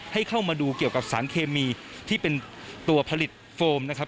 ให้เข้ามาดูเกี่ยวกับสารเคมีที่เป็นตัวผลิตโฟมนะครับ